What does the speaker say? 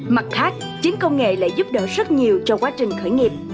mặt khác chính công nghệ lại giúp đỡ rất nhiều cho quá trình khởi nghiệp